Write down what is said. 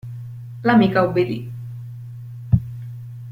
L'amica obbedì.